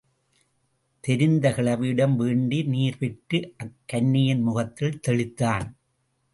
தெரிந்த கிழவியிடம் வேண்டி நீர் பெற்று, அக் கன்னியின் முகத்தில் தெளித்தான்.